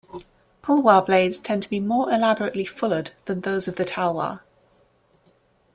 Pulwar blades tend to be more elaborately fullered than those of the talwar.